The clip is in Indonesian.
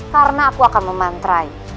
karena aku akan memantrai